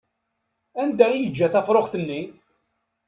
Anda i yeǧǧa tafṛuxt-nni?